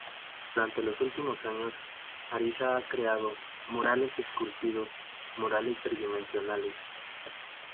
Durante los últimos años, Ariza ha creado "murales esculpidos", murales tridimensionales.